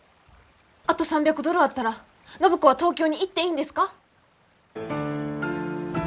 あと３００ドルあったら暢子は東京に行っていいんですか？